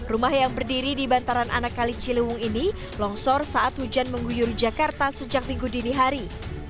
rumah yang berdiri di bantaran anak kali ciliwung ini longsor saat hujan mengguyur jakarta sejak minggu dini hari